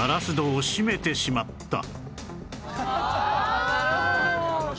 ああなるほど。